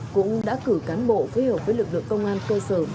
cũng đã cử cán bộ phối hợp với lực lượng công an cơ sở